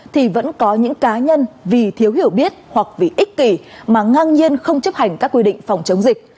thì vẫn có những cá nhân vì thiếu hiểu biết hoặc vì ích kỷ mà ngang nhiên không chấp hành các quy định phòng chống dịch